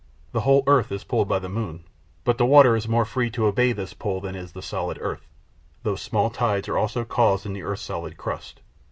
The whole earth is pulled by the moon, but the water is more free to obey this pull than is the solid earth, although small tides are also caused in the earth's solid crust.